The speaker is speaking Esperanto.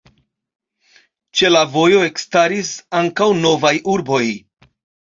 Ĉe la vojo ekstaris ankaŭ novaj urboj.